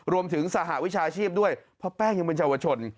สหวิชาชีพด้วยเพราะแป้งยังเป็นเยาวชน